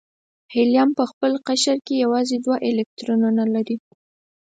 هیلیم په خپل قشر کې یوازې دوه الکترونونه لري.